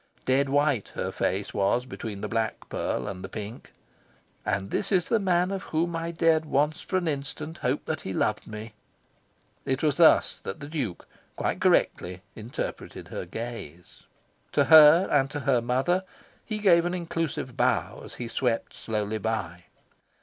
Dead white her face was between the black pearl and the pink. "And this is the man of whom I dared once for an instant hope that he loved me!" it was thus that the Duke, quite correctly, interpreted her gaze. To her and to her mother he gave an inclusive bow as he swept slowly by.